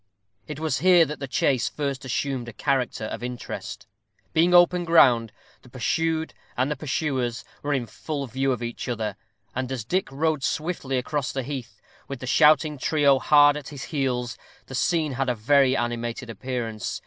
It was here that the chase first assumed a character of interest. Being open ground, the pursued and pursuers were in full view of each other; and as Dick rode swiftly across the heath, with the shouting trio hard at his heels, the scene had a very animated appearance.